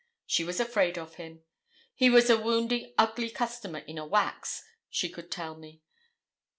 She was afraid of him. He was a 'woundy ugly customer in a wax, she could tell me.'